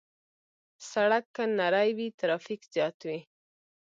سړک که نری وي، ترافیک زیات وي.